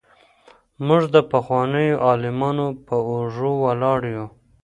موږ د پخوانيو عالمانو په اوږو ولاړ يو.